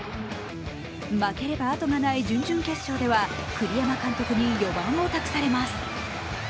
負ければあとがない準々決勝では栗山監督に４番を託されます。